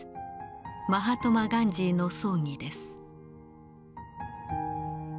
マハトマガンジーの葬儀です。